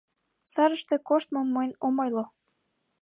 Сарыште коштмым мойн ом ойло.